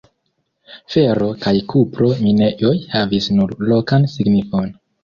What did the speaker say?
Fero- kaj kupro-minejoj havis nur lokan signifon.